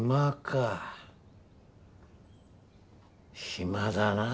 暇だなあ。